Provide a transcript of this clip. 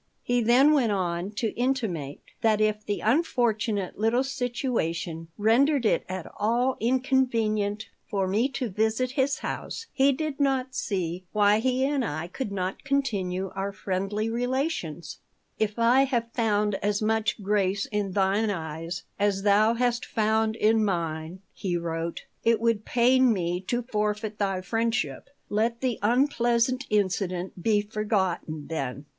He then went on to intimate that if the unfortunate little situation rendered it at all inconvenient for me to visit his house he did not see why he and I could not continue our friendly relations "If I have found as much grace in thine eyes as thou hast found in mine," he wrote, "it would pain me to forfeit thy friendship. Let the unpleasant incident be forgotten, then.